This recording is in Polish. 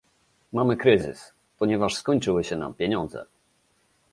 Mamy kryzys, ponieważ skończyły się nam pieniądze